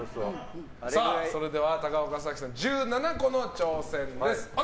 それでは高岡早紀さん１７個の挑戦です。